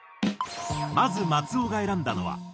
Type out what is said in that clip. まず松尾が選んだのは。